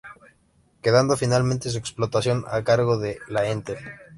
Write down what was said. Quedando finalmente su explotación a cargo de la Entel.